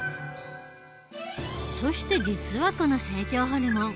そして実はこの成長ホルモン